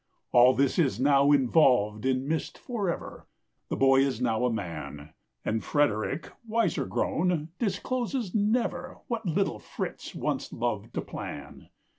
All this is now involved in mist forever, The boy is now a man, And Frederick, wiser grown, discloses never What little Fritz once loved to plan.